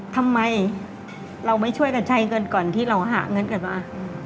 ทำไมเราไม่ช่วยกันใช้เงินก่อนที่เราหาเงินกลับมา